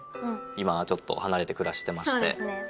今はちょっと離れて暮らしてましてそうですね